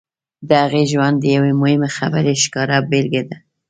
د هغې ژوند د یوې مهمې خبرې ښکاره بېلګه ده